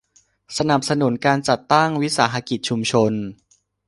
สนับสนุนการจัดตั้งวิสาหกิจชุมชน